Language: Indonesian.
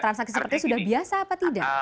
transaksi seperti sudah biasa apa tidak